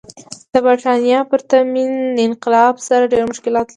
د برېټانیا پرتمین انقلاب سره ډېر مشترکات لري.